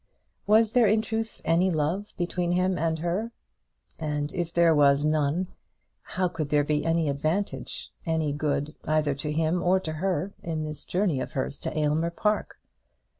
Was there in truth any love between him and her? And if there was none, could there be any advantage, any good either to him or to her, in this journey of hers to Aylmer Park?